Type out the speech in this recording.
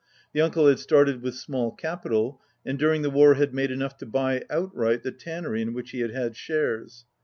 The uncle had started with small capital, and during the war had made enough to buy outright the tannery in which he had had shares.